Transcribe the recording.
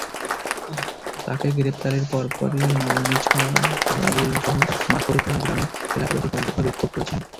তাঁকে গ্রেপ্তারের পরপরই মালনীছড়া, কালাগুলসহ মাখরখলা গ্রামে এলাকাবাসী কয়েক দফা বিক্ষোভ করেছেন।